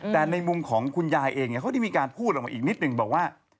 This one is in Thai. แต่ในมุมของคุณยายเองเขาได้มีการพูดออกมาอีกนิดนึงบอกว่า